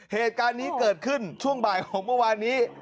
เหตุการณ์นี้เกิดขึ้นช่วงบ่ายของเมื่อวานนี้